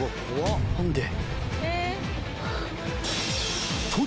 何で？